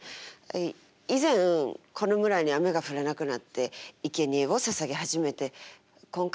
い以前この村に雨が降らなくなっていけにえをささげ始めて今回私で８人目ですよね。